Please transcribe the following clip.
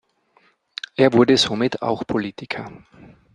Er wurde somit auch Politiker.